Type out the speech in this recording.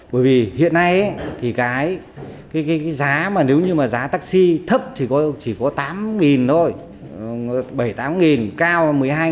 bởi vì hiện nay thì cái giá mà nếu như mà giá taxi thấp thì chỉ có tám thôi bảy mươi tám cao một mươi hai